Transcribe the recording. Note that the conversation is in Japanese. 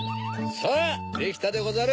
さぁできたでござる！